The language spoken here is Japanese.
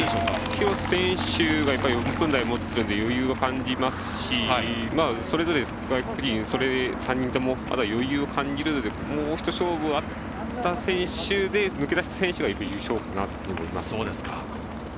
キロス選手が４分台を持っているので余裕を感じますしそれぞれ、外国人余裕を感じるのでもうひと勝負あって抜け出した選手が優勝かなと思いますね。